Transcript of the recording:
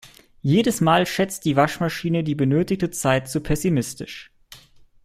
Jedes Mal schätzt die Waschmaschine die benötigte Zeit zu pessimistisch.